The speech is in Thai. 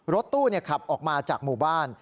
รถตู้ขับออกมาจากหมู่บ้าน